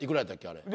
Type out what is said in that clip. あれ。